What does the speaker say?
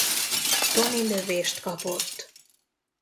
Tony lövést kapott.